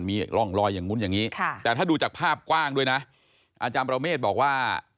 มีร่องรอยอย่างนู้นอย่างนี้แต่ถ้าดูจากภาพกว้างด้วยนะอาจารย์ประเมฆบอกว่า